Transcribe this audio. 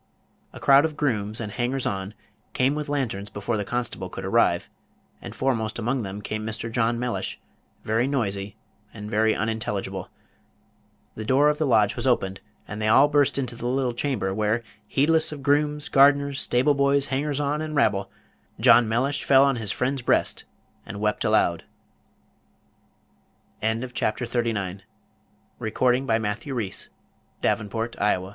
A crowd of grooms and hangers on came with lanterns before the constable could arrive; and foremost among them came Mr. John Mellish, very noisy and very unintelligible. The door of the lodge was opened, and they all burst into the little chamber, where, heedless of grooms, gardeners, stable boys, hangers on, and rabble, John Mellish fell on his friend's breast and wept aloud. L'ENVOI. What more have I to tell of this simple drama of domestic life? The end has come.